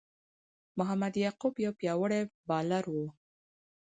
محمد یعقوب یو پياوړی بالر وو.